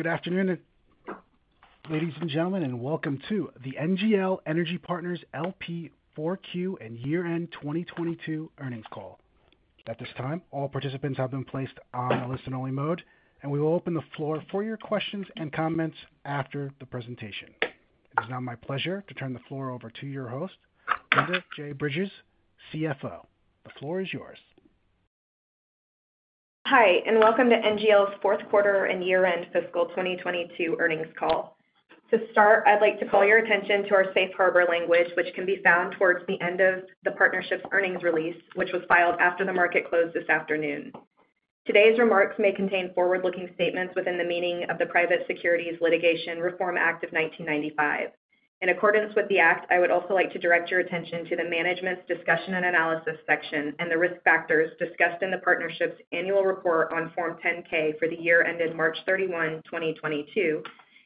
Good afternoon, ladies and gentlemen, and welcome to the NGL Energy Partners LP 4Q and year-end 2022 earnings call. At this time, all participants have been placed on a listen-only mode, and we will open the floor for your questions and comments after the presentation. It is now my pleasure to turn the floor over to your host, Linda J. Bridges, CFO. The floor is yours. Hi, welcome to NGL's fourth quarter and year-end fiscal 2022 earnings call. To start, I'd like to call your attention to our safe harbor language, which can be found towards the end of the partnership's earnings release, which was filed after the market closed this afternoon. Today's remarks may contain forward-looking statements within the meaning of the Private Securities Litigation Reform Act of 1995. In accordance with the act, I would also like to direct your attention to the Management's Discussion and Analysis section and the risk factors discussed in the partnership's annual report on Form 10-K for the year ended March 31, 2022,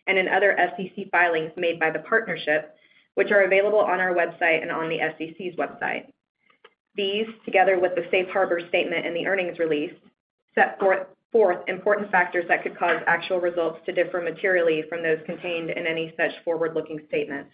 and in other SEC filings made by the partnership, which are available on our website and on the SEC's website. These, together with the safe harbor statement and the earnings release, set forth important factors that could cause actual results to differ materially from those contained in any such forward-looking statements.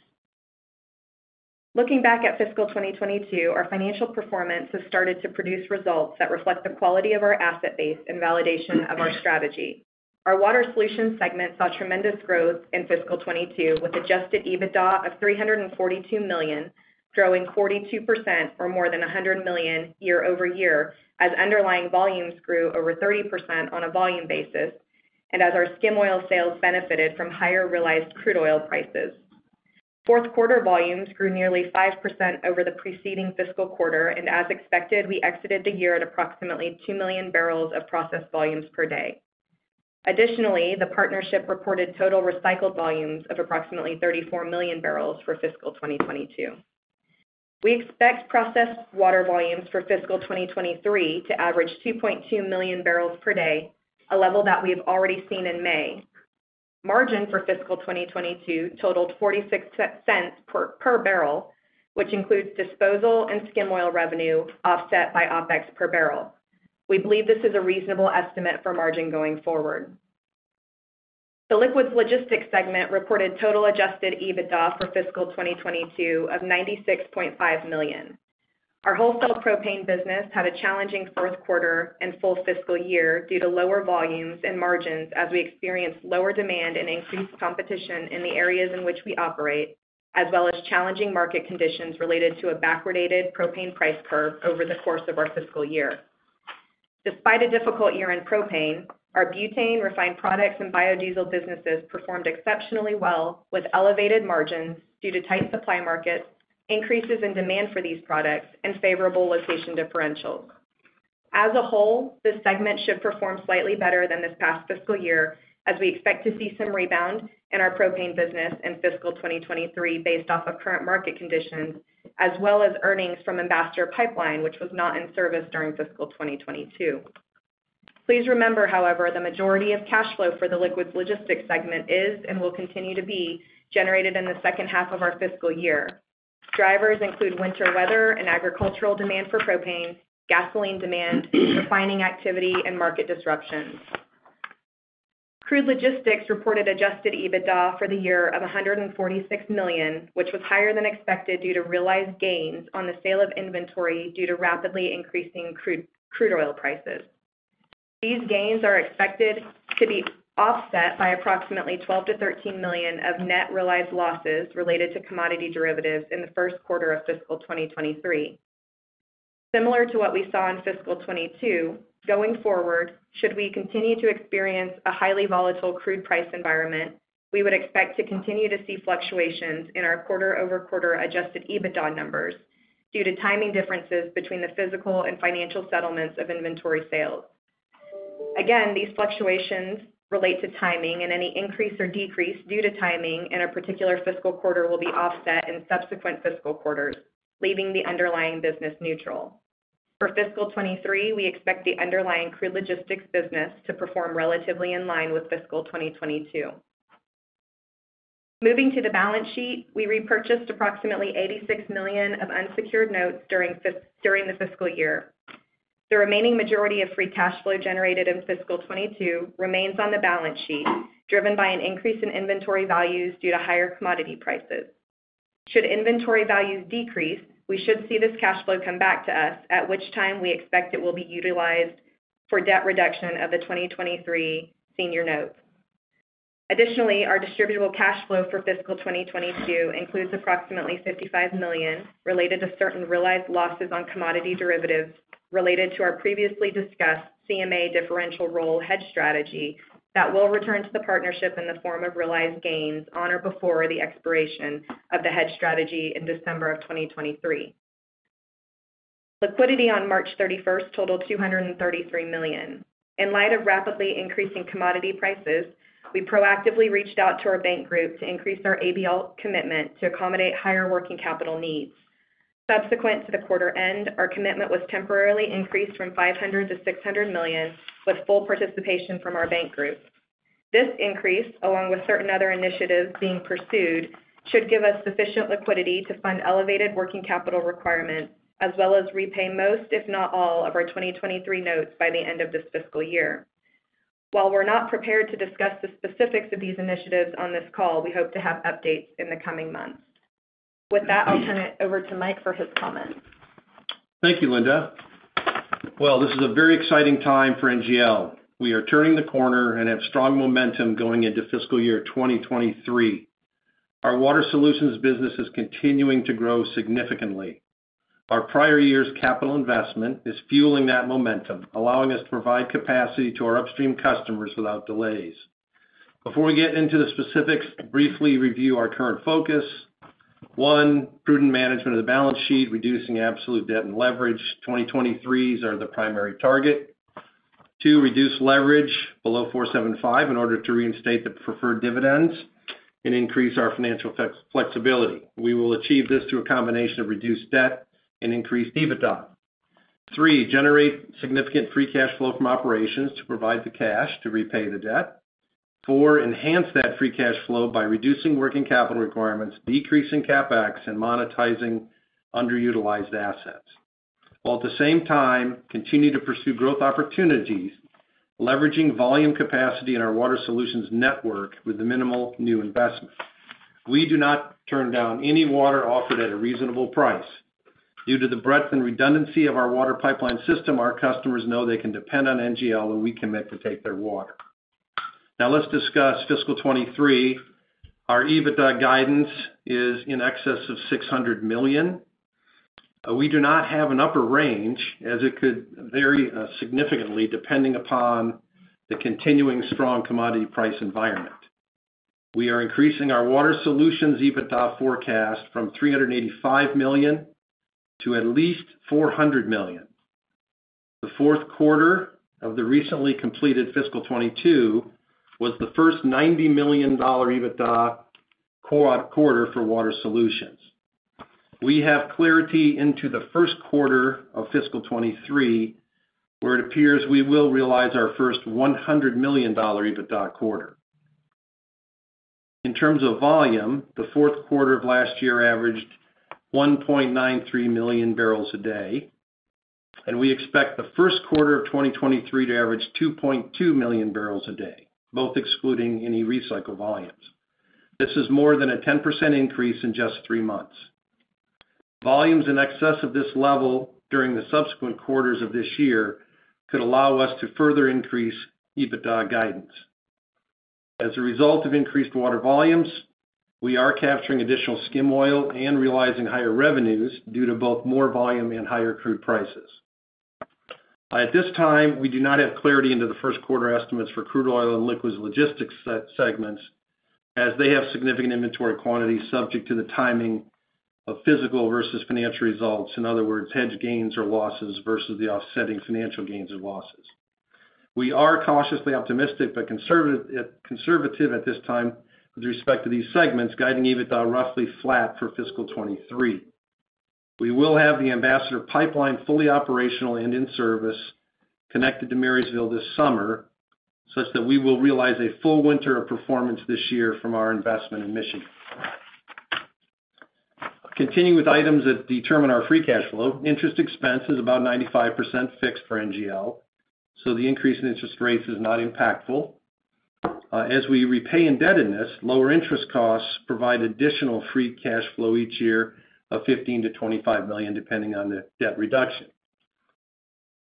Looking back at fiscal 2022, our financial performance has started to produce results that reflect the quality of our asset base and validation of our strategy. Our Water Solutions segment saw tremendous growth in fiscal 2022 with adjusted EBITDA of $342 million, growing 42% or more than $100 million year-over-year as underlying volumes grew over 30% on a volume basis and as our skim oil sales benefited from higher realized crude oil prices. Fourth quarter volumes grew nearly 5% over the preceding fiscal quarter, and as expected, we exited the year at approximately 2 million barrels of processed volumes per day. The partnership reported total recycled volumes of approximately 34 million barrels for fiscal 2022. We expect processed water volumes for fiscal 2023 to average 2.2 million barrels per day, a level that we have already seen in May. Margin for fiscal 2022 totaled $0.46 per barrel, which includes disposal and skim oil revenue offset by OPEX per barrel. We believe this is a reasonable estimate for margin going forward. The liquids logistics segment reported total adjusted EBITDA for fiscal 2022 of $96.5 million. Our wholesale propane business had a challenging fourth quarter and full fiscal year due to lower volumes and margins as we experienced lower demand and increased competition in the areas in which we operate, as well as challenging market conditions related to a backwardated propane price curve over the course of our fiscal year. Despite a difficult year in propane, our butane refined products and biodiesel businesses performed exceptionally well with elevated margins due to tight supply markets, increases in demand for these products and favorable location differentials. As a whole, this segment should perform slightly better than this past fiscal year as we expect to see some rebound in our propane business in fiscal 2023 based off of current market conditions, as well as earnings from Ambassador Pipeline, which was not in service during fiscal 2022. Please remember, however, the majority of cash flow for the Liquids Logistics segment is and will continue to be generated in the second half of our fiscal year. Drivers include winter weather and agricultural demand for propane, gasoline demand, refining activity and market disruptions. Crude Oil Logistics reported adjusted EBITDA for the year of $146 million, which was higher than expected due to realized gains on the sale of inventory due to rapidly increasing crude oil prices. These gains are expected to be offset by approximately $12 million-$13 million of net realized losses related to commodity derivatives in the first quarter of fiscal 2023. Similar to what we saw in fiscal 2022, going forward, should we continue to experience a highly volatile crude price environment, we would expect to continue to see fluctuations in our quarter-over-quarter adjusted EBITDA numbers due to timing differences between the physical and financial settlements of inventory sales. Again, these fluctuations relate to timing, and any increase or decrease due to timing in a particular fiscal quarter will be offset in subsequent fiscal quarters, leaving the underlying business neutral. For fiscal 2023, we expect the underlying crude logistics business to perform relatively in line with fiscal 2022. Moving to the balance sheet, we repurchased approximately $86 million of unsecured notes during the fiscal year. The remaining majority of free cash flow generated in fiscal 2022 remains on the balance sheet, driven by an increase in inventory values due to higher commodity prices. Should inventory values decrease, we should see this cash flow come back to us, at which time we expect it will be utilized for debt reduction of the 2023 senior notes. Additionally, our distributable cash flow for fiscal 2022 includes approximately $55 million related to certain realized losses on commodity derivatives related to our previously discussed CMA differential roll hedge strategy that will return to the partnership in the form of realized gains on or before the expiration of the hedge strategy in December 2023. Liquidity on March 31st totaled $233 million. In light of rapidly increasing commodity prices, we proactively reached out to our bank group to increase our ABL commitment to accommodate higher working capital needs. Subsequent to the quarter end, our commitment was temporarily increased from $500 million-$600 million with full participation from our bank group. This increase, along with certain other initiatives being pursued, should give us sufficient liquidity to fund elevated working capital requirements as well as repay most, if not all, of our 2023 notes by the end of this fiscal year. While we're not prepared to discuss the specifics of these initiatives on this call, we hope to have updates in the coming months. With that, I'll turn it over to Mike for his comments. Thank you, Linda. Well, this is a very exciting time for NGL. We are turning the corner and have strong momentum going into fiscal year 2023. Our water solutions business is continuing to grow significantly. Our prior year's capital investment is fueling that momentum, allowing us to provide capacity to our upstream customers without delays. Before we get into the specifics, briefly review our current focus. One, prudent management of the balance sheet, reducing absolute debt and leverage. 2023s are the primary target. Two, reduce leverage below 4.75x In order to reinstate the preferred dividends and increase our financial flexibility. We will achieve this through a combination of reduced debt and increased EBITDA. Three, generate significant free cash flow from operations to provide the cash to repay the debt. Four, enhance that free cash flow by reducing working capital requirements, decreasing CapEx, and monetizing underutilized assets. While at the same time continue to pursue growth opportunities, leveraging volume capacity in our Water Solutions network with the minimal new investment. We do not turn down any water offered at a reasonable price. Due to the breadth and redundancy of our water pipeline system, our customers know they can depend on NGL when we commit to take their water. Now let's discuss fiscal 2023. Our EBITDA guidance is in excess of $600 million. We do not have an upper range as it could vary significantly depending upon the continuing strong commodity price environment. We are increasing our Water Solutions EBITDA forecast from $385 million to at least $400 million. The fourth quarter of the recently completed fiscal 2022 was the first $90 million EBITDA quarter for Water Solutions. We have clarity into the first quarter of fiscal 2023, where it appears we will realize our first $100 million EBITDA quarter. In terms of volume, the fourth quarter of last year averaged 1.93 million barrels a day, and we expect the first quarter of 2023 to average 2.2 million barrels a day, both excluding any recycled volumes. This is more than a 10% increase in just three months. Volumes in excess of this level during the subsequent quarters of this year could allow us to further increase EBITDA guidance. As a result of increased water volumes, we are capturing additional skim oil and realizing higher revenues due to both more volume and higher crude prices. At this time, we do not have clarity into the first quarter estimates for crude oil and liquids logistics segments as they have significant inventory quantities subject to the timing of physical versus financial results. In other words, hedge gains or losses versus the offsetting financial gains or losses. We are cautiously optimistic, but conservative at this time with respect to these segments, guiding EBITDA roughly flat for fiscal 2023. We will have the Ambassador Pipeline fully operational and in service connected to Marysville this summer, such that we will realize a full winter of performance this year from our investment in Michigan. Continuing with items that determine our free cash flow. Interest expense is about 95% fixed for NGL, so the increase in interest rates is not impactful. As we repay indebtedness, lower interest costs provide additional free cash flow each year of $15 million-$25 million, depending on the debt reduction.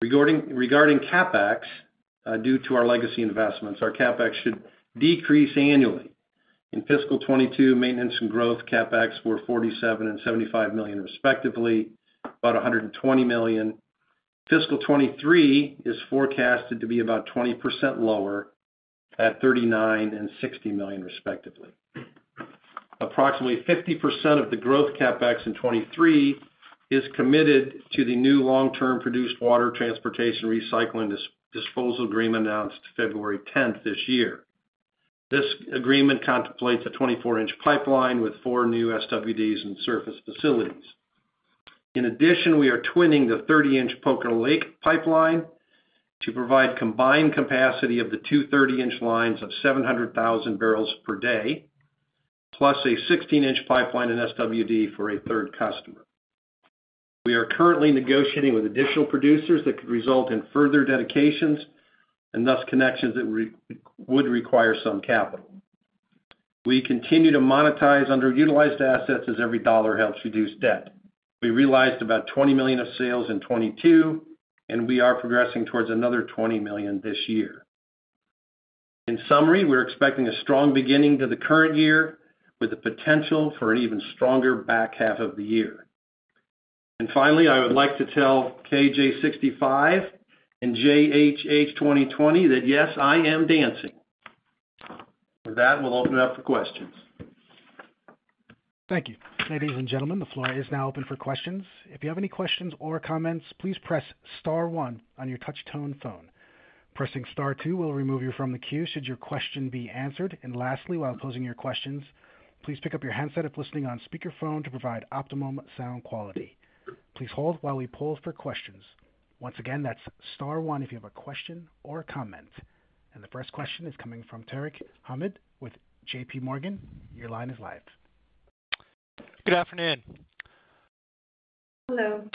Regarding CapEx, due to our legacy investments, our CapEx should decrease annually. In fiscal 2022, maintenance and growth CapEx were $47 million and $75 million respectively, about $122 million. Fiscal 2023 is forecasted to be about 20% lower at $39 million and $60 million respectively. Approximately 50% of the growth CapEx in 2023 is committed to the new long-term produced water transportation recycling disposal agreement announced February tenth this year. This agreement contemplates a 24 in pipeline with four new SWDs and surface facilities. In addition, we are twinning the 30 in Poker Lake pipeline to provide combined capacity of the two 30 in lines of 700,000 barrels per day, plus a 16 in pipeline in SWD for a third customer. We are currently negotiating with additional producers that could result in further dedications and thus connections that would require some capital. We continue to monetize underutilized assets as every dollar helps reduce debt. We realized about $20 million of sales in 2022, and we are progressing towards another $20 million this year. In summary, we're expecting a strong beginning to the current year with the potential for an even stronger back half of the year. Finally, I would like to tell KJ 65 and JHH 2020 that yes, I am dancing. With that, we'll open up for questions. Thank you. Ladies and gentlemen, the floor is now open for questions. If you have any questions or comments, please press star one on your touch-tone phone. Pressing star two will remove you from the queue should your question be answered. Lastly, while closing your questions, please pick up your handset if listening on speaker phone to provide optimum sound quality. Please hold while we poll for questions. Once again, that's star one if you have a question or comment. The first question is coming from Tarek Hamid with JPMorgan. Your line is live. Good afternoon. Hello.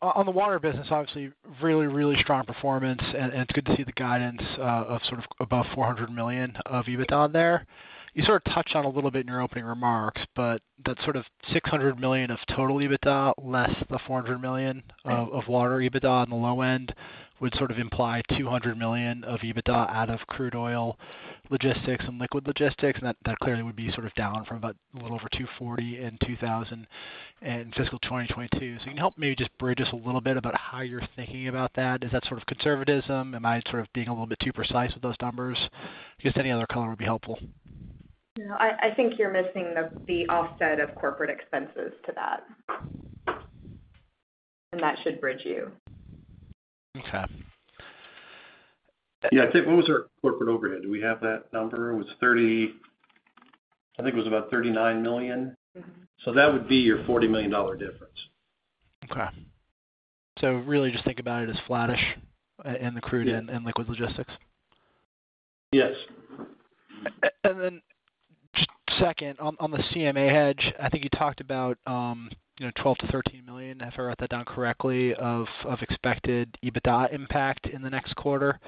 On the water business, obviously really strong performance. It's good to see the guidance of sort of above $400 million of EBITDA there. You sort of touched on a little bit in your opening remarks, but that sort of $600 million of total EBITDA less the $400 million of water EBITDA on the low end would sort of imply $200 million of EBITDA out of Crude Oil Logistics and Liquids Logistics. That clearly would be sort of down from about a little over $240 million in fiscal 2022. Can you help me just bridge us a little bit about how you're thinking about that? Is that sort of conservatism? Am I sort of being a little bit too precise with those numbers? Just any other color would be helpful. No. I think you're missing the offset of corporate expenses to that. That should bridge you. Okay. Yeah. I think what was our corporate overhead? Do we have that number? It was about $39 million. Mm-hmm. That would be your $40 million difference. Okay. Really just think about it as flattish in the crude. Yeah. Liquids Logistics. Yes. Second, on the CMA hedge, I think you talked about, you know, $12-13 million, if I wrote that down correctly, of expected EBITDA impact in the next quarter.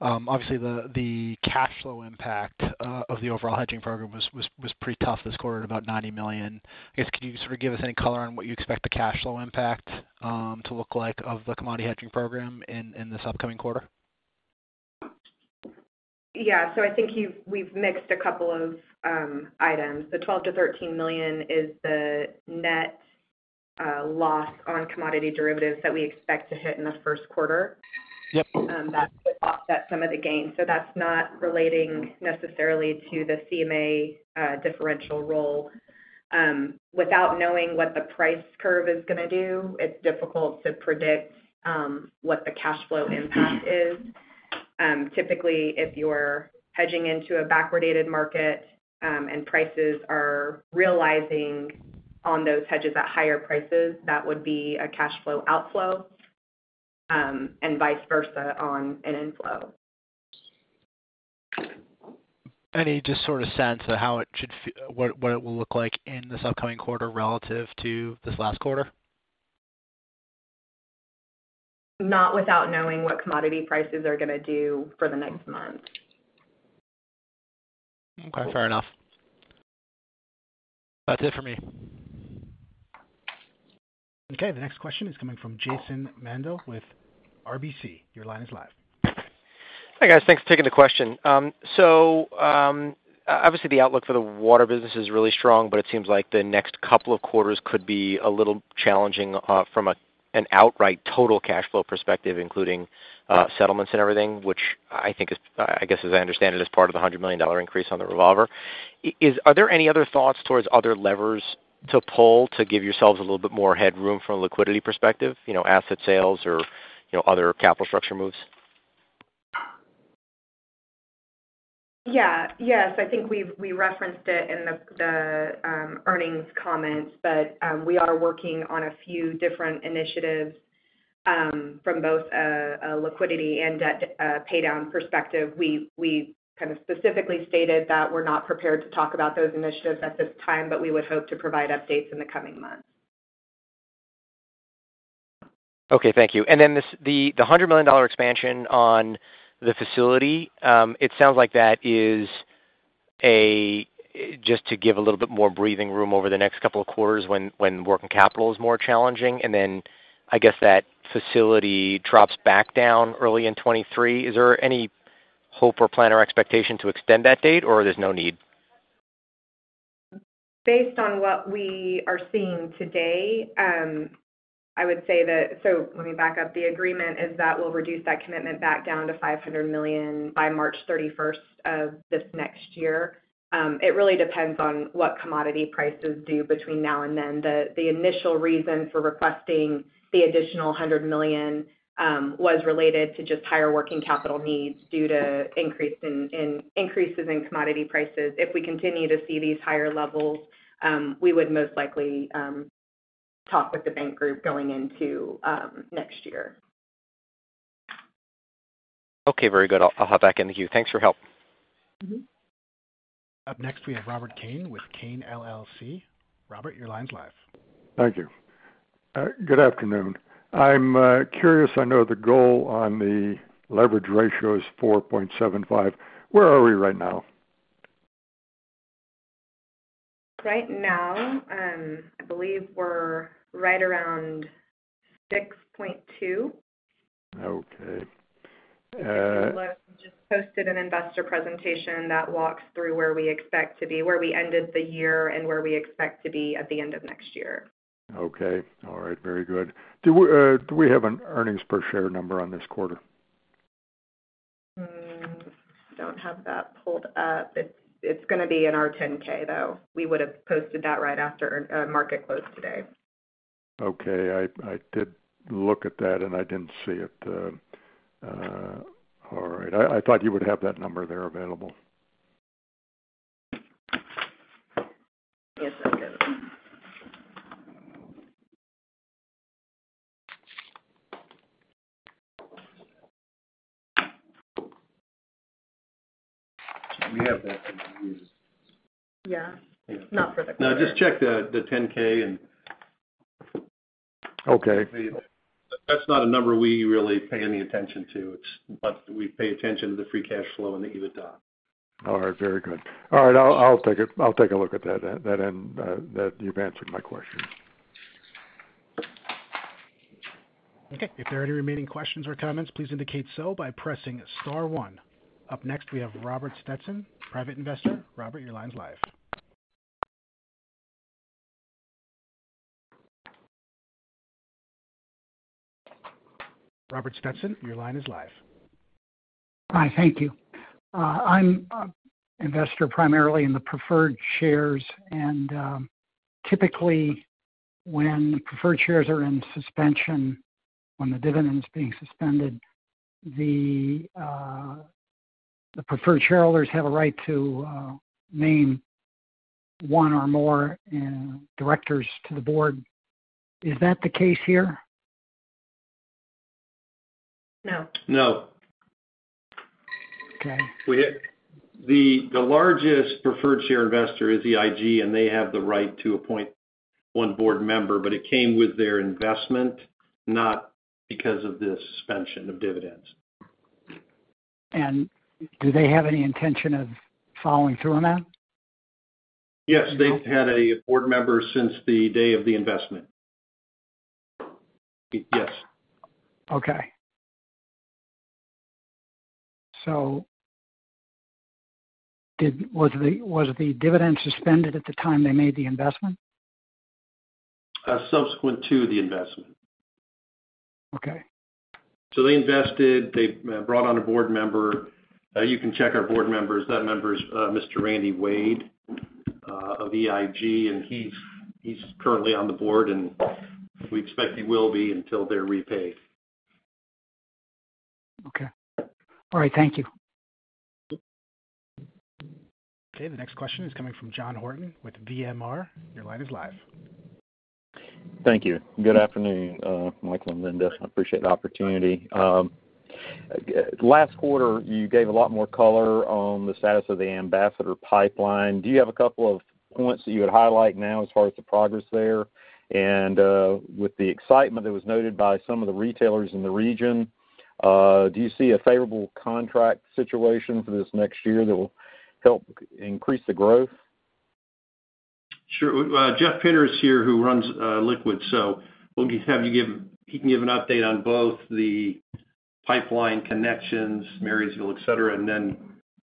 Obviously the cash flow impact of the overall hedging program was pretty tough this quarter at about $90 million. I guess, can you sort of give us any color on what you expect the cash flow impact to look like of the commodity hedging program in this upcoming quarter? Yeah. I think we've mixed a couple of items. The $12 million-$13 million is the net loss on commodity derivatives that we expect to hit in the first quarter. Yep. That's to offset some of the gains. That's not relating necessarily to the CMA differential role. Without knowing what the price curve is gonna do, it's difficult to predict what the cash flow impact is. Typically, if you're hedging into a backwardated market, and prices are realizing on those hedges at higher prices, that would be a cash flow outflow, and vice versa on an inflow. Just sort of sense of how it should feel, what it will look like in this upcoming quarter relative to this last quarter? Not without knowing what commodity prices are gonna do for the next month. Okay. Fair enough. That's it for me. Okay. The next question is coming from Jason Mandel with RBC. Your line is live. Hi, guys. Thanks for taking the question. Obviously the outlook for the water business is really strong, but it seems like the next couple of quarters could be a little challenging from an outright total cash flow perspective, including settlements and everything, which I think, I guess as I understand it, is part of the $100 million increase on the revolver. Are there any other thoughts towards other levers to pull to give yourselves a little bit more headroom from a liquidity perspective, you know, asset sales or, you know, other capital structure moves? Yes, I think we've referenced it in the earnings comments, but we are working on a few different initiatives from both a liquidity and debt paydown perspective. We kind of specifically stated that we're not prepared to talk about those initiatives at this time, but we would hope to provide updates in the coming months. Okay. Thank you. Then this, the $100 million expansion on the facility, it sounds like that is just to give a little bit more breathing room over the next couple of quarters when working capital is more challenging and then I guess that facility drops back down early in 2023. Is there any hope or plan or expectation to extend that date or there's no need? Based on what we are seeing today, I would say that. Let me back up. The agreement is that we'll reduce that commitment back down to $500 million by March thirty-first of this next year. It really depends on what commodity prices do between now and then. The initial reason for requesting the additional hundred million was related to just higher working capital needs due to increases in commodity prices. If we continue to see these higher levels, we would most likely talk with the bank group going into next year. Okay. Very good. I'll hop back in the queue. Thanks for help. Mm-hmm. Up next, we have Robert Kane with Kane LLC. Robert, your line is live. Thank you. Good afternoon. I'm curious. I know the goal on the leverage ratio is 4.75x. Where are we right now? Right now, I believe we're right around 6.2x. Okay. If you look, we just posted an investor presentation that walks through where we expect to be, where we ended the year, and where we expect to be at the end of next year. Okay. All right. Very good. Do we have an earnings per share number on this quarter? Don't have that pulled up. It's gonna be in our 10-K, though. We would've posted that right after market closed today. Okay. I did look at that, and I didn't see it. All right. I thought you would have that number there available. Yes. I'll get it. We have that. Yeah. No, just check the 10-K. Okay. That's not a number we really pay any attention to. We pay attention to the free cash flow and the EBITDA. All right. Very good. All right, I'll take it. I'll take a look at that. That you've answered my question. Okay. If there are any remaining questions or comments, please indicate so by pressing star one. Up next, we have Robert Stetson, Private Investor. Robert, your line is live. Robert Stetson, your line is live. Hi. Thank you. I'm investor primarily in the preferred shares, and typically, when preferred shares are in suspension, when the dividend's being suspended, the preferred shareholders have a right to name one or more directors to the board. Is that the case here? No. No. Okay. The largest preferred share investor is EIG, and they have the right to appoint one board member, but it came with their investment, not because of the suspension of dividends. Do they have any intention of following through on that? Yes. They've had a board member since the day of the investment. Yes. Okay. Was the dividend suspended at the time they made the investment? Subsequent to the investment. Okay. They invested. They brought on a board member. You can check our board members. That member is Mr. Randy Wade of EIG, and he's currently on the board, and we expect he will be until they're repaid. Okay. All right. Thank you. Okay. The next question is coming from John Horton with VMR. Your line is live. Thank you. Good afternoon, Michael and Linda. I appreciate the opportunity. Last quarter, you gave a lot more color on the status of the Ambassador Pipeline. Do you have a couple of points that you would highlight now as far as the progress there? With the excitement that was noted by some of the retailers in the region, do you see a favorable contract situation for this next year that will help increase the growth? Sure. Well, Jeff Pinter is here, who runs liquids. He can give an update on both the pipeline connections, Marysville, et cetera, and then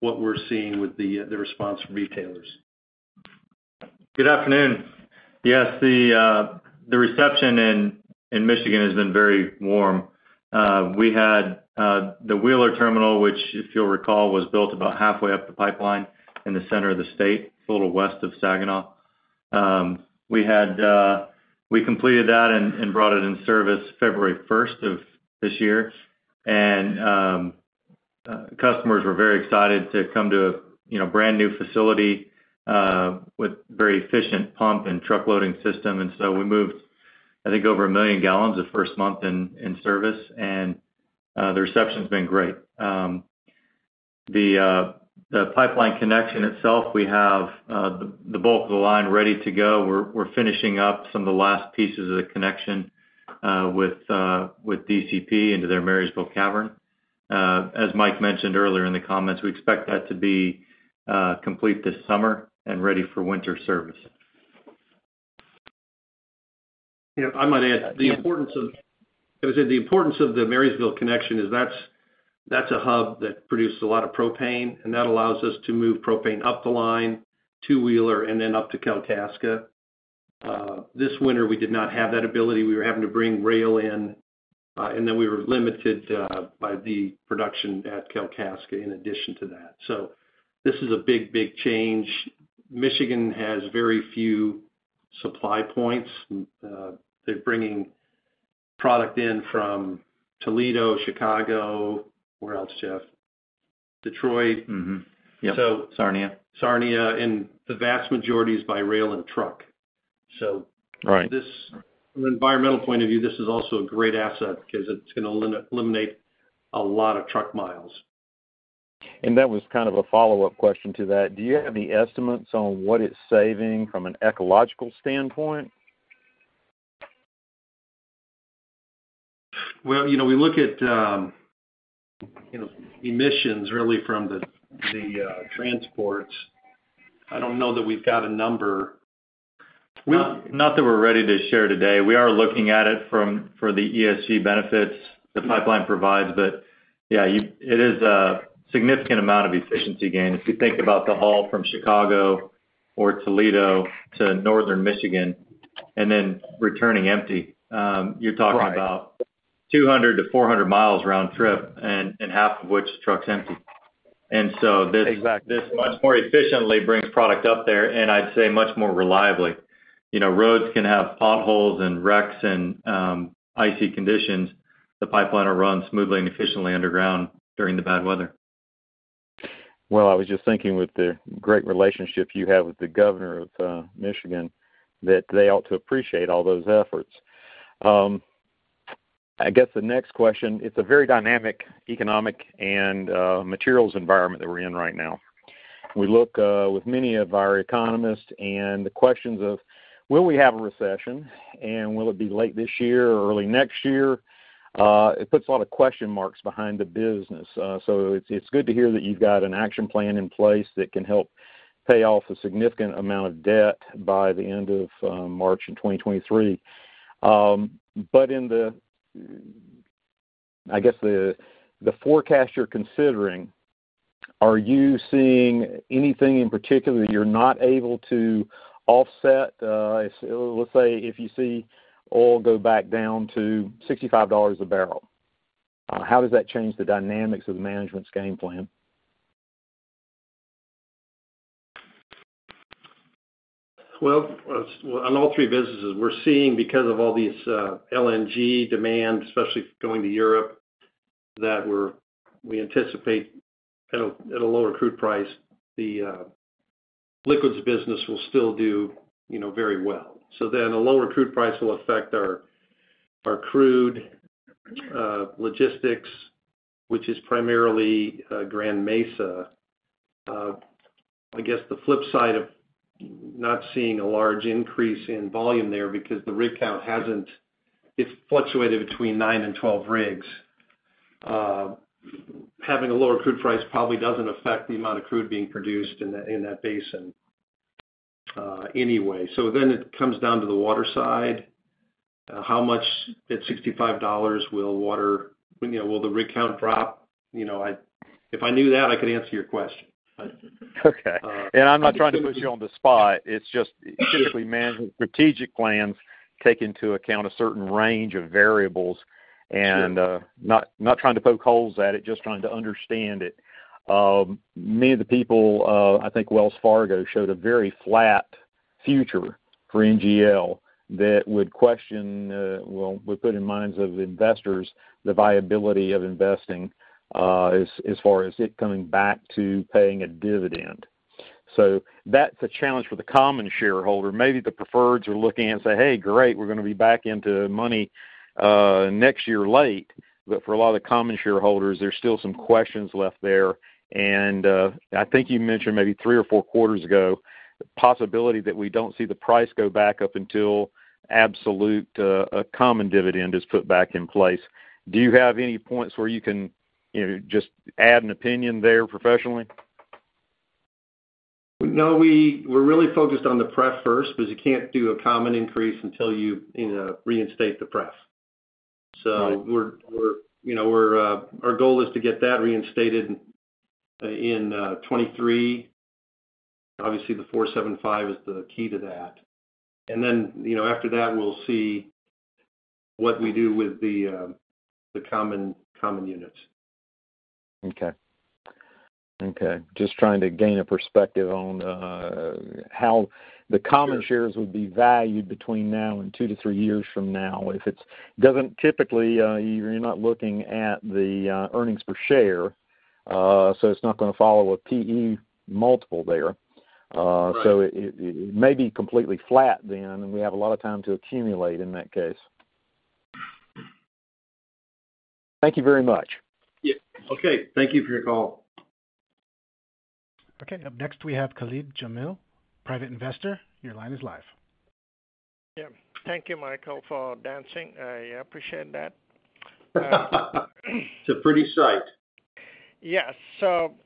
what we're seeing with the response from retailers. Good afternoon. Yes, the reception in Michigan has been very warm. We had the Wheeler terminal, which if you'll recall, was built about halfway up the pipeline in the center of the state, a little west of Saginaw. We completed that and brought it in service February first of this year. Customers were very excited to come to a you know brand-new facility with very efficient pump and truck loading system. We moved, I think, over 1 million gal the first month in service, and the reception's been great. The pipeline connection itself, we have the bulk of the line ready to go. We're finishing up some of the last pieces of the connection with DCP into their Marysville cavern. As Mike mentioned earlier in the comments, we expect that to be complete this summer and ready for winter service. Yeah. I might add, I would say the importance of the Marysville connection is that's a hub that produces a lot of propane, and that allows us to move propane up the line to Wheeler and then up to Kalkaska. This winter, we did not have that ability. We were having to bring rail in, and then we were limited by the production at Kalkaska in addition to that. This is a big, big change. Michigan has very few supply points. They're bringing product in from Toledo, Chicago, where else, Jeff? Detroit. Mm-hmm. So- Sarnia. Sarnia. The vast majority is by rail and truck. Right. From an environmental point of view, this is also a great asset because it's gonna eliminate a lot of truck mi. That was kind of a follow-up question to that. Do you have any estimates on what it's saving from an ecological standpoint? Well, you know, we look at, you know, emissions really from the transport. I don't know that we've got a number. Not that we're ready to share today. We are looking at it for the ESG benefits the pipeline provides. Yeah, it is a significant amount of efficiency gain. If you think about the haul from Chicago or Toledo to Northern Michigan and then returning empty, you're talking about 200-400 mi round trip and half of which truck's empty. Exactly. This much more efficiently brings product up there, and I'd say much more reliably. You know, roads can have potholes and wrecks and icy conditions. The pipeline will run smoothly and efficiently underground during the bad weather. Well, I was just thinking with the great relationship you have with the governor of Michigan, that they ought to appreciate all those efforts. I guess the next question, it's a very dynamic economic and materials environment that we're in right now. We look with many of our economists and the questions of will we have a recession, and will it be late this year or early next year? It puts a lot of question marks behind the business. It's good to hear that you've got an action plan in place that can help pay off a significant amount of debt by the end of March 2023. But in the, I guess the forecast you're considering, are you seeing anything in particular that you're not able to offset? Let's say if you see oil go back down to $65 a barrel, how does that change the dynamics of management's game plan? Well, on all three businesses we're seeing because of all these LNG demand, especially going to Europe, that we anticipate at a lower crude price, the liquids business will still do, you know, very well. A lower crude price will affect our crude logistics, which is primarily Grand Mesa. I guess the flip side of not seeing a large increase in volume there because it's fluctuated between nine and 12 rigs. Having a lower crude price probably doesn't affect the amount of crude being produced in that basin anyway. It comes down to the water side. How much at $65 will water? You know, will the rig count drop? You know, if I knew that, I could answer your question, but. Okay. I'm not trying to put you on the spot. It's just typically management strategic plans take into account a certain range of variables. Sure. Not trying to poke holes at it, just trying to understand it. Many of the people I think Wells Fargo showed a very flat future for NGL that would put in minds of investors the viability of investing, as far as it coming back to paying a dividend. That's a challenge for the common shareholder. Maybe the preferreds are looking and say, "Hey, great, we're gonna be back into money, next year late." For a lot of the common shareholders, there's still some questions left there. I think you mentioned maybe three or four quarters ago, the possibility that we don't see the price go back up until absolutely a common dividend is put back in place. Do you have any points where you can, you know, just add an opinion there professionally? No, we're really focused on the pref first, because you can't do a common increase until you know, reinstate the pref. Right. Our goal is to get that reinstated in 2023. Obviously, the 4.75x is the key to that. Then, you know, after that, we'll see what we do with the common units. Okay. Just trying to gain a perspective on how the common- Sure. Shares would be valued between now and two to three years from now. If it doesn't typically, you're not looking at the earnings per share, so it's not gonna follow a PE multiple there. Right. It may be completely flat then, and we have a lot of time to accumulate in that case. Thank you very much. Yeah. Okay. Thank you for your call. Okay. Up next, we have Khalid Jamil, Private Investor. Your line is live. Yeah. Thank you, Michael, for dancing. I appreciate that. It's a pretty sight. Yes.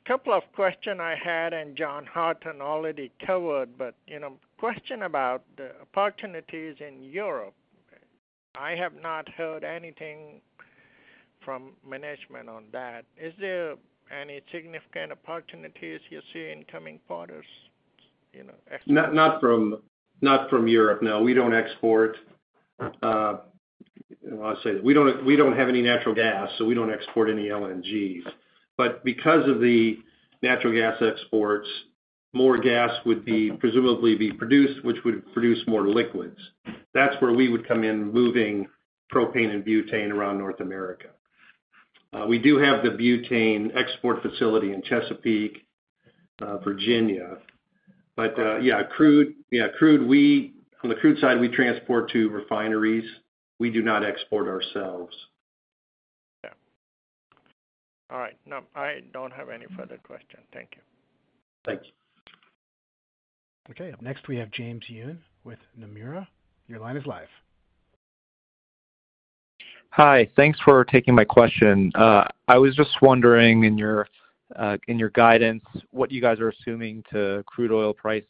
Couple of questions I had, and John Horton already covered, but, you know, question about the opportunities in Europe. I have not heard anything from management on that. Is there any significant opportunities you see in coming quarters, you know, export? Not from Europe, no. We don't export. I'll say this. We don't have any natural gas, so we don't export any LNGs. Because of the natural gas exports, more gas would presumably be produced, which would produce more liquids. That's where we would come in, moving propane and butane around North America. We do have the butane export facility in Chesapeake, Virginia. Okay. Yeah, crude, on the crude side, we transport to refineries. We do not export ourselves. Yeah. All right. No, I don't have any further question. Thank you. Thank you. Okay. Up next, we have James Yoon with Nomura. Your line is live. Hi. Thanks for taking my question. I was just wondering in your guidance, what you guys are assuming for crude oil prices?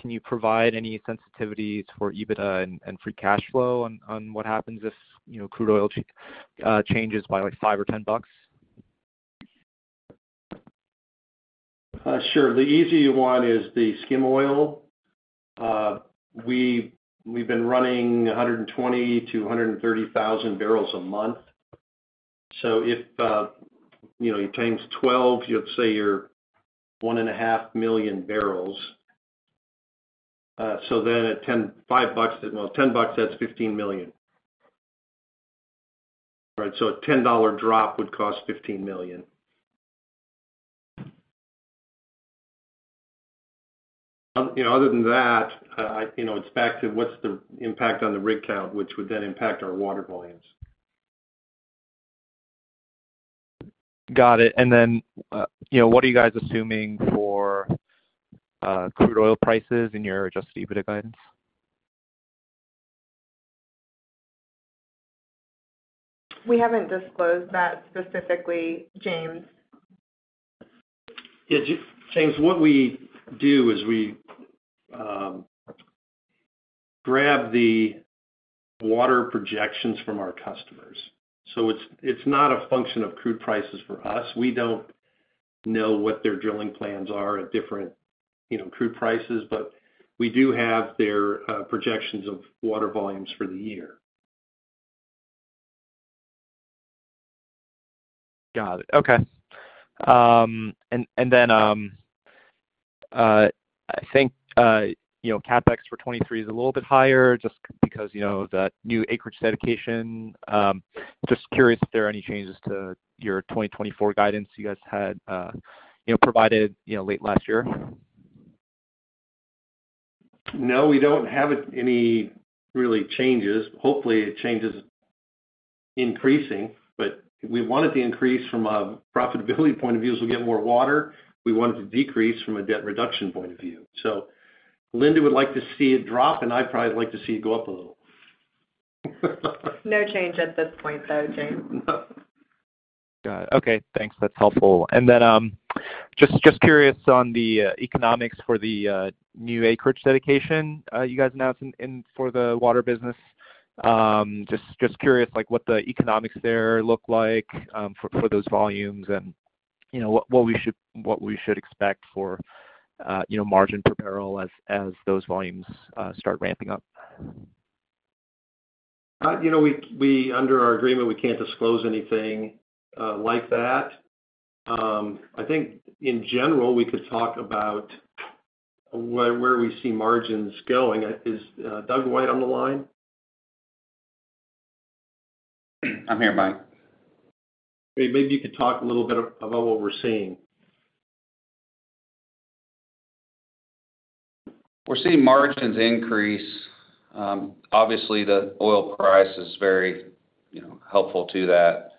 Can you provide any sensitivities for EBITDA and free cash flow on what happens if, you know, crude oil changes by like $5 or $10? Sure. The easy one is the skim oil. We've been running 120,000-130,000 barrels a month. If you know, you times twelve, you have, say, your 1.5 million barrels. Then at $10, no, $10, that's $15 million. All right, a $10 drop would cost $15 million. You know, other than that, you know, it's back to what's the impact on the rig count, which would then impact our water volumes. Got it. You know, what are you guys assuming for crude oil prices in your adjusted EBITDA guidance? We haven't disclosed that specifically, James. Yeah, James, what we do is we grab the water projections from our customers. It's not a function of crude prices for us. We don't know what their drilling plans are at different, you know, crude prices. We do have their projections of water volumes for the year. Got it. Okay. I think, you know, CapEx for 2023 is a little bit higher just because, you know, that new acreage dedication. Just curious if there are any changes to your 2024 guidance you guys had, you know, provided, you know, late last year. No, we don't have any real changes. Hopefully, it's changing increasingly. We want it to increase from a profitability point of view, as we get more water. We want it to decrease from a debt reduction point of view. Linda would like to see it drop, and I'd probably like to see it go up a little. No change at this point, though, James. No. Got it. Okay, thanks. That's helpful. Just curious on the economics for the new acreage dedication you guys announced for the water business. Just curious like what the economics there look like for those volumes and, you know, what we should expect for, you know, margin per barrel as those volumes start ramping up. You know, we under our agreement, we can't disclose anything like that. I think in general, we could talk about where we see margins going. Is Doug White on the line? I'm here, Mike. Maybe you could talk a little bit about what we're seeing. We're seeing margins increase. Obviously, the oil price is very, you know, helpful to that.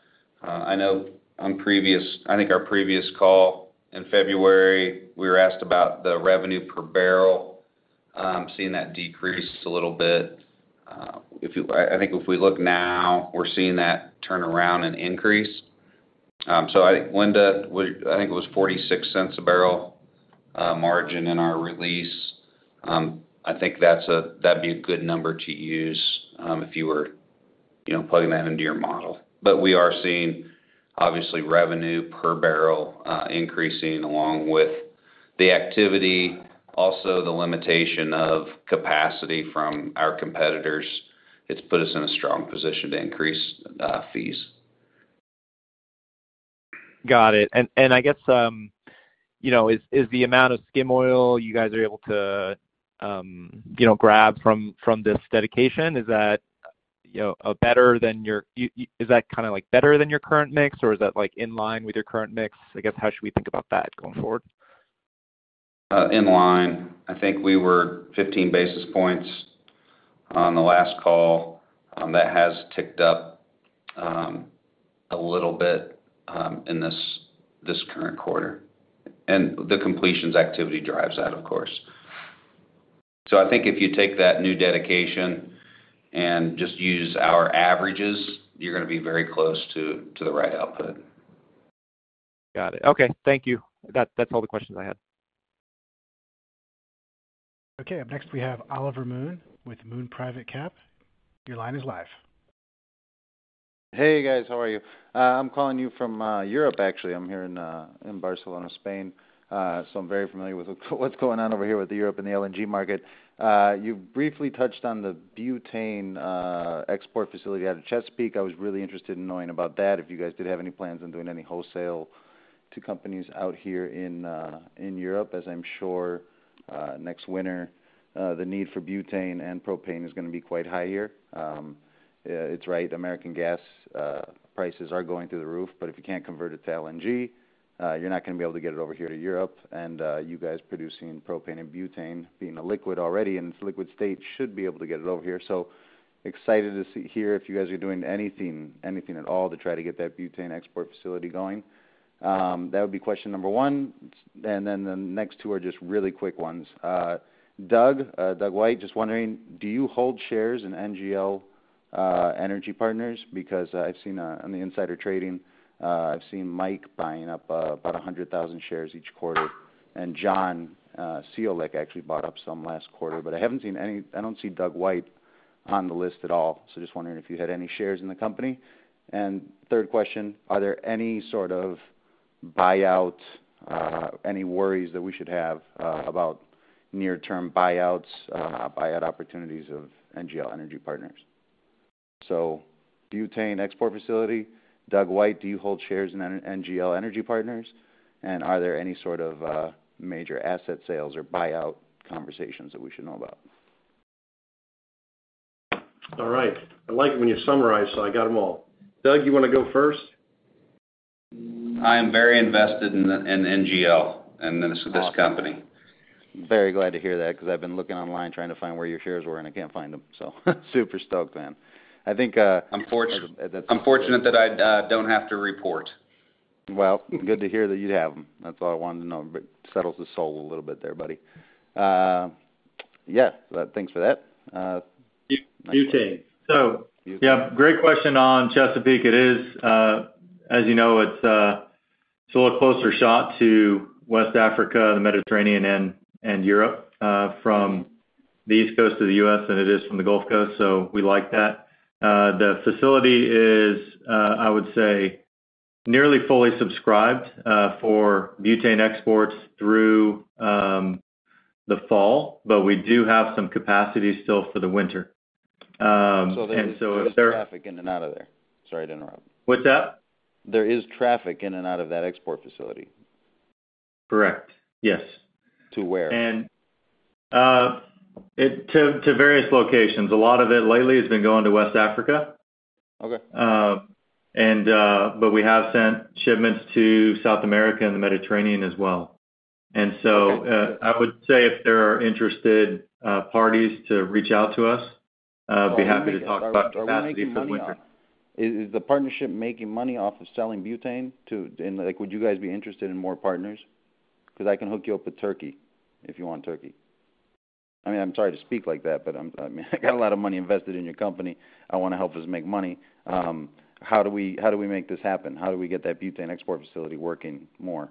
I know I think our previous call in February, we were asked about the revenue per barrel. Seeing that decrease a little bit. I think if we look now, we're seeing that turn around and increase. So I think it was $0.46 a barrel margin in our release. I think that'd be a good number to use, if you were, you know, plugging that into your model. We are seeing obviously revenue per barrel increasing along with the activity, also the limitation of capacity from our competitors. It's put us in a strong position to increase fees. Got it. I guess, you know, is the amount of skim oil you guys are able to, you know, grab from this dedication kind of like better than your current mix, or is that like in line with your current mix? I guess, how should we think about that going forward? In line. I think we were 15 basis points on the last call. That has ticked up a little bit in this current quarter. The completions activity drives that, of course. I think if you take that new dedication and just use our averages, you're gonna be very close to the right output. Got it. Okay. Thank you. That's all the questions I had. Okay. Up next, we have Oliver Moon with Moon Private Cap. Your line is live. Hey, guys. How are you? I'm calling you from Europe, actually. I'm here in Barcelona, Spain. So I'm very familiar with what's going on over here with Europe and the LNG market. You briefly touched on the butane export facility out of Chesapeake. I was really interested in knowing about that, if you guys did have any plans on doing any wholesale to companies out here in Europe. As I'm sure, next winter the need for butane and propane is gonna be quite high here. It's right, American gas prices are going through the roof, but if you can't convert it to LNG, you're not gonna be able to get it over here to Europe. You guys producing propane and butane being a liquid already in its liquid state should be able to get it over here. Excited to hear if you guys are doing anything at all to try to get that butane export facility going. That would be question number one. Then the next two are just really quick ones. Doug White, just wondering, do you hold shares in NGL Energy Partners? Because I've seen on the insider trading, I've seen Michael Krimbill buying up about 100,000 shares each quarter, and John Ciolek actually bought up some last quarter. I don't see Doug White on the list at all. Just wondering if you had any shares in the company. Third question, are there any sort of buyout, any worries that we should have, about near-term buyouts, buyout opportunities of NGL Energy Partners? The butane export facility. Doug White, do you hold shares in NGL Energy Partners? Are there any sort of, major asset sales or buyout conversations that we should know about? All right. I like it when you summarize, so I got them all. Doug, you wanna go first? I am very invested in NGL and this company. Awesome. Very glad to hear that because I've been looking online trying to find where your shares were, and I can't find them. Super stoked, man. I think, I'm fortunate that I don't have to report. Well, good to hear that you have 'em. That's all I wanted to know. Settles the soul a little bit there, buddy. Yeah. Thanks for that. Butane. Yeah, great question on Chesapeake. It is. As you know, it's a little closer shot to West Africa, the Mediterranean, and Europe from the East Coast of the U.S. than it is from the Gulf Coast. We like that. The facility is, I would say, nearly fully subscribed for butane exports through the fall, but we do have some capacity still for the winter. If there- There is traffic in and out of there? Sorry to interrupt. What's that? There is traffic in and out of that export facility? Correct. Yes. To where? To various locations. A lot of it lately has been going to West Africa. Okay. We have sent shipments to South America and the Mediterranean as well. Okay. I would say if there are interested parties to reach out to us, I'd be happy to talk about capacity for the winter. Is the partnership making money off of selling butane too? Like, would you guys be interested in more partners? 'Cause I can hook you up with Turkey if you want Turkey. I mean, I'm sorry to speak like that, but I mean I got a lot of money invested in your company. I wanna help us make money. How do we make this happen? How do we get that butane export facility working more?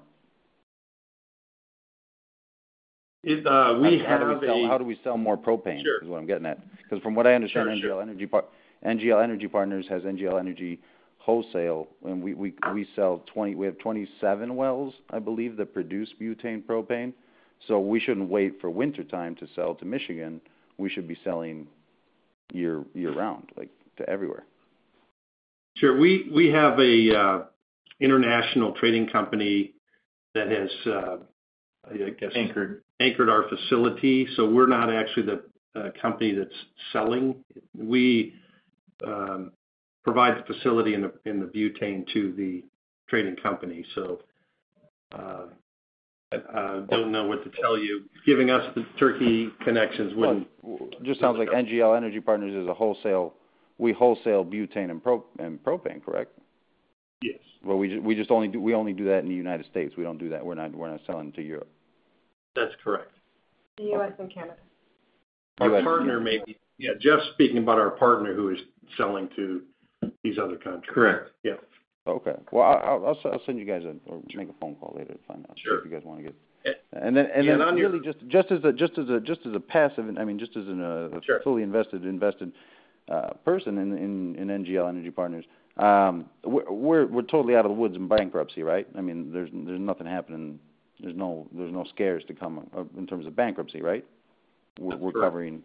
We have a- How do we sell more propane? Sure. Is what I'm getting at. 'Cause from what I understand. Sure. Sure. NGL Energy Partners has NGL Energy Wholesale, and we sell—we have 27 wells, I believe, that produce butane propane. We shouldn't wait for wintertime to sell to Michigan. We should be selling year-round, like, to everywhere. Sure. We have a international trading company that has, I guess. Anchored. Anchored our facility. We're not actually the company that's selling. We provide the facility and the butane to the trading company. I don't know what to tell you. Giving us the Turkey connections wouldn't. Just sounds like NGL Energy Partners is a wholesale. We wholesale butane and propane, correct? Yes. We just only do that in the United States. We don't do that. We're not selling to Europe. That's correct. The U.S. and Canada. Yeah, Jeff's speaking about our partner who is selling to these other countries. Correct. Yeah. Okay. Well, I'll send you guys a or make a phone call later to find out. Sure. If you guys wanna get. Yeah, I'm here. really just as a, I mean, just as an- Sure. A fully invested person in NGL Energy Partners, we're totally out of the woods in bankruptcy, right? I mean, there's nothing happening. There's no scares to come in terms of bankruptcy, right? That's correct. We're covering.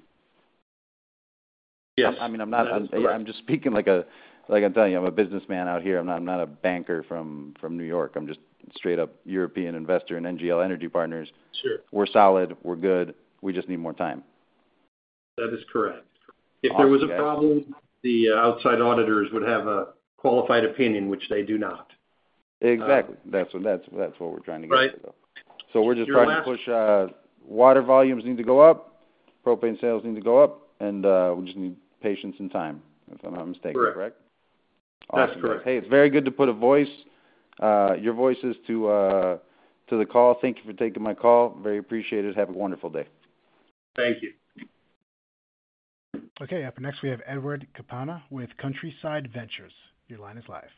Yes. That is correct. I mean, I'm not. I'm just speaking like a businessman out here. Like I'm telling you, I'm a businessman out here. I'm not a banker from New York. I'm just straight up European investor in NGL Energy Partners. Sure. We're solid. We're good. We just need more time. That is correct. Awesome, guys. If there was a problem, the outside auditors would have a qualified opinion, which they do not. Exactly. That's what we're trying to get to, though. Right. We're just trying to push. Water volumes need to go up, propane sales need to go up, and we just need patience and time, if I'm not mistaken. Correct. Correct? That's correct. Awesome. Hey, it's very good to put a voice, your voices to the call. Thank you for taking my call. Very appreciated. Have a wonderful day. Thank you. Okay. Up next, we have Edward Campana with Countryside Ventures. Your line is live.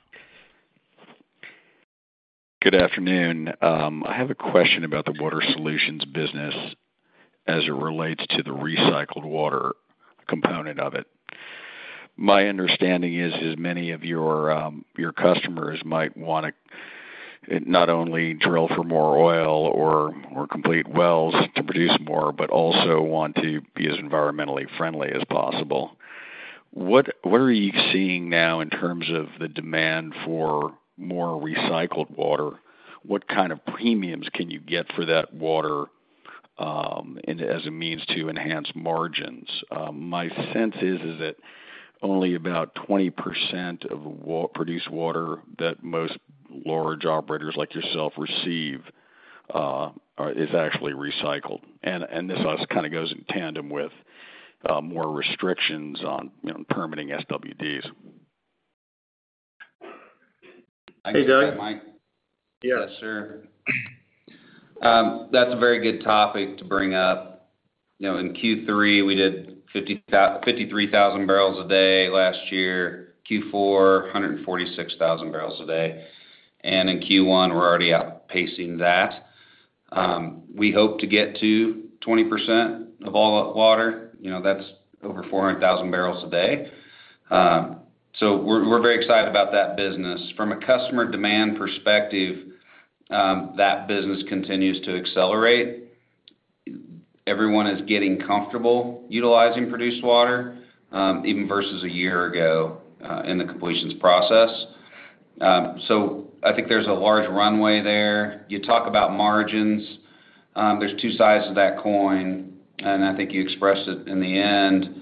Good afternoon. I have a question about the Water Solutions business as it relates to the recycled water component of it. My understanding is many of your customers might wanna not only drill for more oil or complete wells to produce more, but also want to be as environmentally friendly as possible. What are you seeing now in terms of the demand for more recycled water? What kind of premiums can you get for that water, and as a means to enhance margins? My sense is that only about 20% of produced water that most large operators like yourself receive is actually recycled. This also kinda goes in tandem with more restrictions on, you know, permitting SWDs. Hey, Doug. Can I take that, Mike? Yeah. Yes, sir. That's a very good topic to bring up. You know, in Q3, we did 53,000 barrels a day last year. Q4, 146,000 barrels a day. In Q1, we're already outpacing that. We hope to get to 20% of all water. You know, that's over 400,000 barrels a day. We're very excited about that business. From a customer demand perspective, that business continues to accelerate. Everyone is getting comfortable utilizing produced water, even versus a year ago, in the completions process. I think there's a large runway there. You talk about margins, there's two sides to that coin, and I think you expressed it in the end.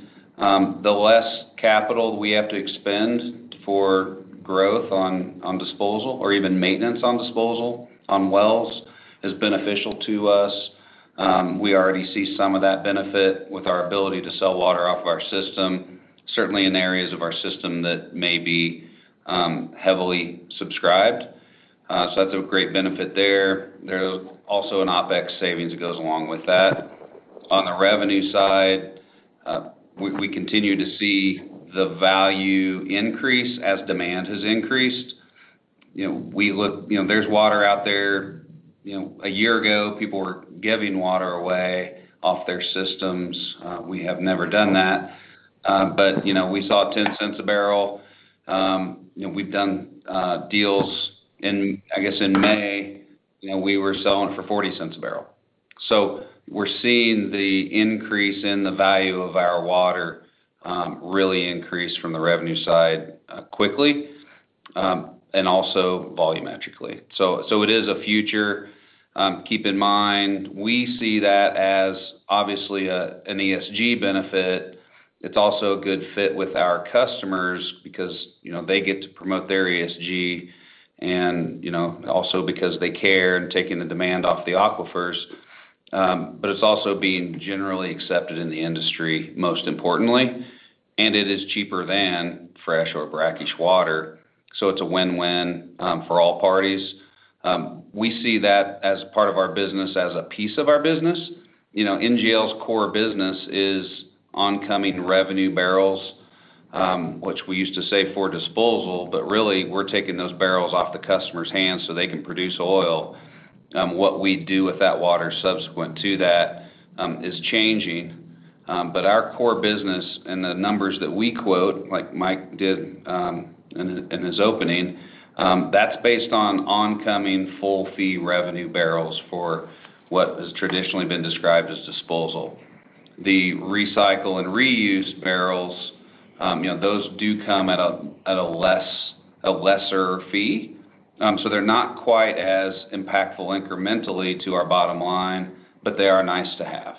The less capital we have to expend for growth on disposal or even maintenance on disposal on wells is beneficial to us. We already see some of that benefit with our ability to sell water off of our system, certainly in areas of our system that may be heavily subscribed. That's a great benefit there. There's also an OpEx savings that goes along with that. On the revenue side, we continue to see the value increase as demand has increased. You know, there's water out there. You know, a year ago, people were giving water away off their systems. We have never done that. You know, we saw $0.10 a barrel. You know, we've done deals in, I guess, in May, you know, we were selling for $0.40 a barrel. We're seeing the increase in the value of our water, really increase from the revenue side, quickly, and also volumetrically. It is a feature. Keep in mind, we see that as obviously an ESG benefit. It's also a good fit with our customers because, you know, they get to promote their ESG and, you know, also because they care and taking the demand off the aquifers. It's also being generally accepted in the industry, most importantly, and it is cheaper than fresh or brackish water, so it's a win-win for all parties. We see that as part of our business, as a piece of our business. You know, NGL's core business is ongoing revenue barrels, which we used to say for disposal, but really, we're taking those barrels off the customer's hands so they can produce oil. What we do with that water subsequent to that is changing. Our core business and the numbers that we quote, like Mike did, in his opening, that's based on oncoming full fee revenue barrels for what has traditionally been described as disposal. The recycle and reuse barrels, you know, those do come at a lesser fee. They're not quite as impactful incrementally to our bottom line, but they are nice to have.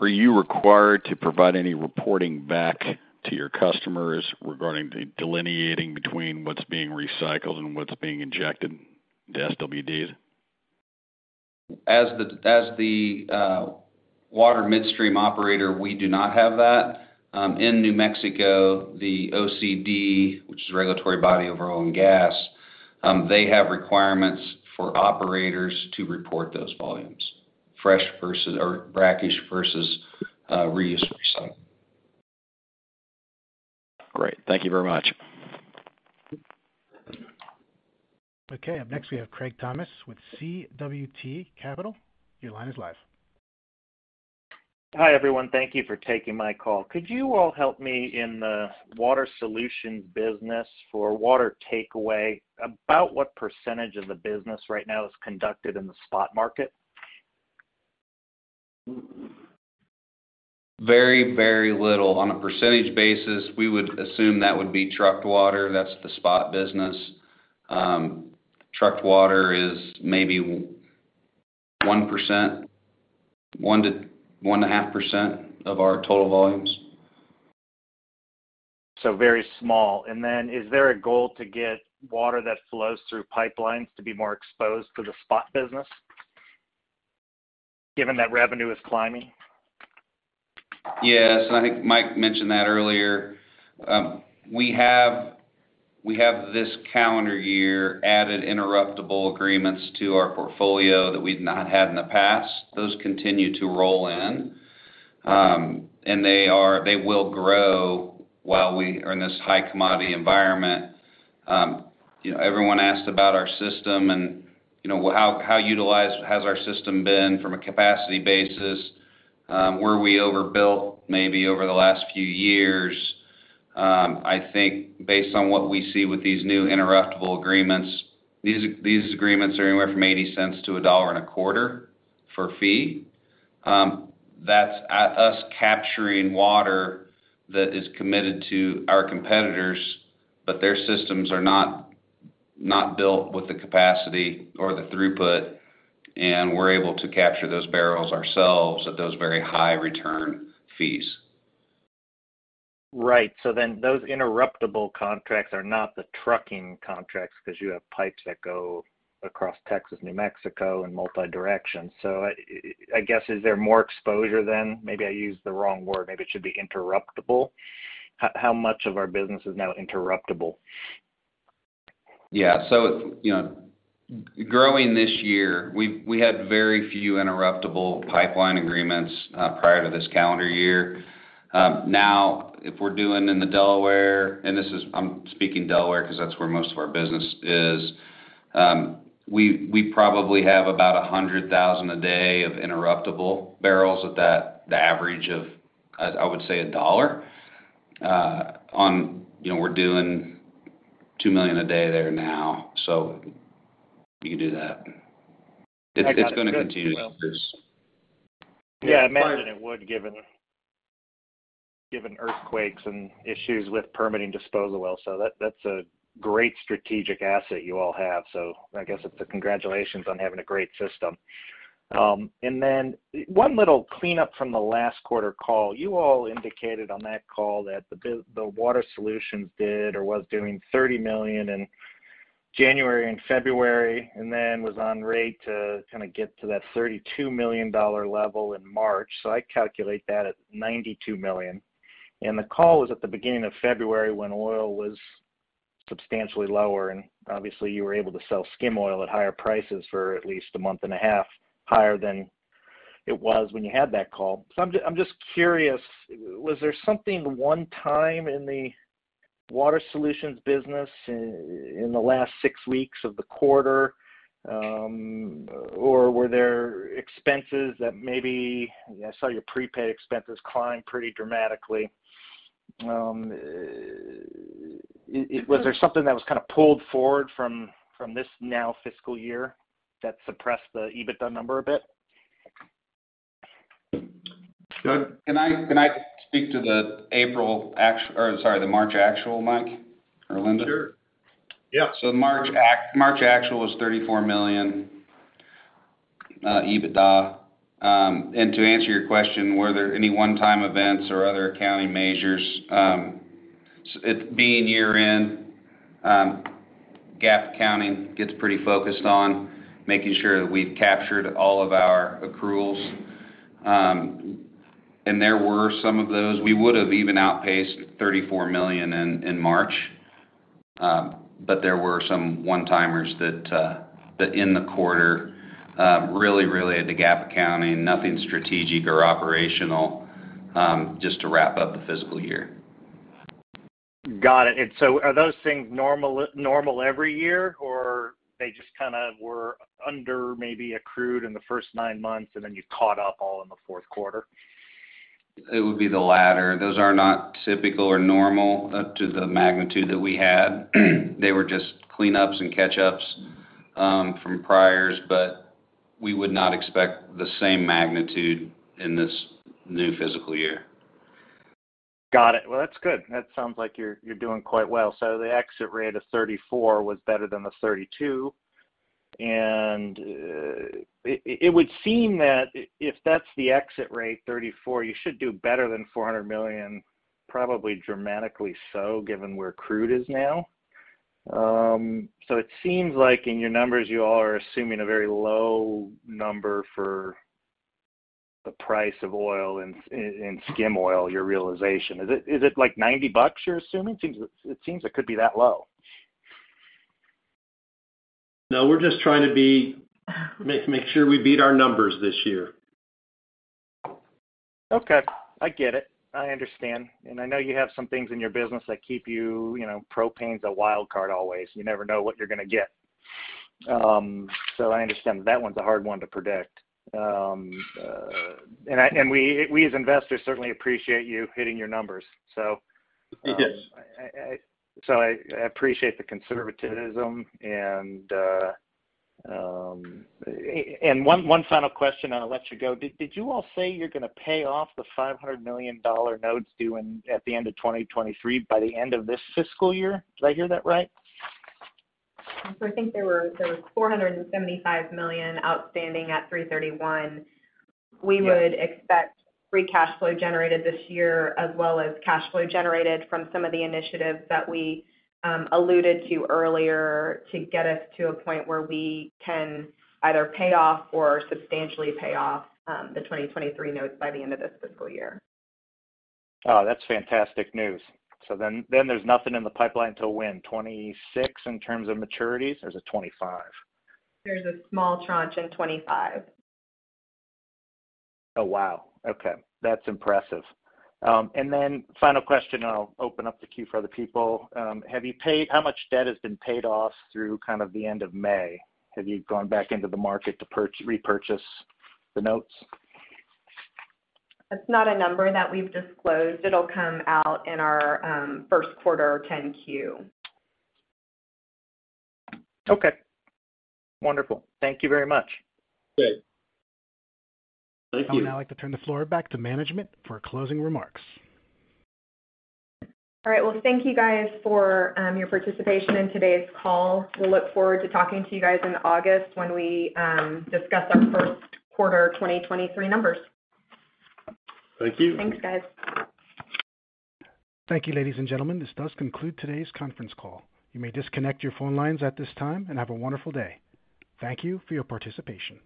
Are you required to provide any reporting back to your customers regarding the delineating between what's being recycled and what's being injected into SWDs? As the water midstream operator, we do not have that. In New Mexico, the OCD, which is the regulatory body of oil and gas, they have requirements for operators to report those volumes, fresh versus or brackish versus reuse recycle. Great. Thank you very much. Okay. Up next, we have Craig Thomas with CWT Capital. Your line is live. Hi, everyone. Thank you for taking my call. Could you all help me in the Water Solutions business for water takeaway, about what percentage of the business right now is conducted in the spot market? Very, very little. On a percentage basis, we would assume that would be trucked water. That's the spot business. Trucked water is maybe 1%, 1%-1.5% of our total volumes. Very small. Is there a goal to get water that flows through pipelines to be more exposed to the spot business given that revenue is climbing? Yes. I think Mike mentioned that earlier. We have this calendar year added interruptible agreements to our portfolio that we've not had in the past. Those continue to roll in, and they will grow while we are in this high commodity environment. You know, everyone asked about our system and, you know, how utilized has our system been from a capacity basis, were we overbuilt maybe over the last few years. I think based on what we see with these new interruptible agreements, these agreements are anywhere from $0.80-$1.25 for fee. That's us capturing water that is committed to our competitors, but their systems are not built with the capacity or the throughput, and we're able to capture those barrels ourselves at those very high return fees. Right. Those interruptible contracts are not the trucking contracts because you have pipes that go across Texas, New Mexico, and multiple directions. I guess, is there more exposure then? Maybe I used the wrong word. Maybe it should be interruptible. How much of our business is now interruptible? Yeah. You know, growing this year, we had very few interruptible pipeline agreements prior to this calendar year. Now we're doing in the Delaware, and this is I'm speaking Delaware because that's where most of our business is. We probably have about 100,000 a day of interruptible barrels at that, the average of, I would say $1, you know, we're doing 2 million a day there now. You can do that. I got it. Good. It's gonna continue. Yeah, I imagine it would given earthquakes and issues with permitting disposal wells. That's a great strategic asset you all have. I guess it's a congratulations on having a great system. One little cleanup from the last quarter call. You all indicated on that call that Water Solutions did or was doing $30 million in January and February, and then was on track to kinda get to that $32 million level in March. I calculate that at $92 million. The call was at the beginning of February when oil was substantially lower, and obviously you were able to sell skim oil at higher prices for at least a month and a half, higher than it was when you had that call. I'm just curious, was there something one-time in the Water Solutions business in the last six weeks of the quarter, or were there expenses that maybe I saw your prepaid expenses climb pretty dramatically. Was there something that was kind of pulled forward from this now fiscal year that suppressed the EBITDA number a bit? Good. Can I speak to the March actual, Michael or Linda? Sure. Yeah. March actual was $34 million EBITDA. To answer your question, were there any one-time events or other accounting measures? It being year-end, GAAP accounting gets pretty focused on making sure that we've captured all of our accruals. There were some of those. We would have even outpaced $34 million in March, but there were some one-timers that in the quarter, really the GAAP accounting, nothing strategic or operational, just to wrap up the fiscal year. Got it. Are those things normal every year or they just kinda were underaccrued in the first nine months and then you caught up all in the fourth quarter? It would be the latter. Those are not typical or normal up to the magnitude that we had. They were just cleanups and catch-ups, from priors, but we would not expect the same magnitude in this new fiscal year. Got it. Well, that's good. That sounds like you're doing quite well. The exit rate of 34 was better than the 32. It would seem that if that's the exit rate, 34, you should do better than $400 million, probably dramatically so, given where crude is now. It seems like in your numbers, you all are assuming a very low number for the price of oil and skim oil, your realization. Is it like $90 you're assuming? It seems it could be that low. No, we're just trying to make sure we beat our numbers this year. Okay, I get it. I understand. I know you have some things in your business that keep you know, propane's a wild card always. You never know what you're gonna get. I understand. That one's a hard one to predict. We as investors certainly appreciate you hitting your numbers, so. Yes. I appreciate the conservatism. One final question and I'll let you go. Did you all say you're gonna pay off the $500 million notes due at the end of 2023 by the end of this fiscal year? Did I hear that right? I think there was $475 million outstanding at 3/31. We would expect free cash flow generated this year as well as cash flow generated from some of the initiatives that we alluded to earlier to get us to a point where we can either pay off or substantially pay off the 2023 notes by the end of this fiscal year. Oh, that's fantastic news. There's nothing in the pipeline till when? 2026 in terms of maturities, or is it 2025? There's a small tranche in 2025. Oh, wow. Okay. That's impressive. Final question, and I'll open up the queue for other people. How much debt has been paid off through kind of the end of May? Have you gone back into the market to repurchase the notes? That's not a number that we've disclosed. It'll come out in our first quarter Form 10-Q. Okay. Wonderful. Thank you very much. Good. Thank you. I would now like to turn the floor back to management for closing remarks. All right. Well, thank you guys for your participation in today's call. We'll look forward to talking to you guys in August when we discuss our first quarter 2023 numbers. Thank you. Thanks, guys. Thank you, ladies and gentlemen. This does conclude today's conference call. You may disconnect your phone lines at this time, and have a wonderful day. Thank you for your participation.